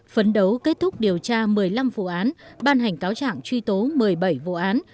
phấn đấu kết thúc điều tra một mươi năm vụ án ban hành cáo trạng truy tố một mươi bảy vụ án